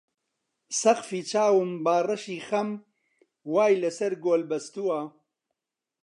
سەقفی چاوم باڕشی خەم وای لە سەر گۆل بەستووە